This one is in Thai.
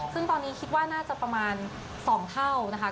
ซึ่งตอนนี้คิดว่าน่าจะประมาณ๒เท่านะคะ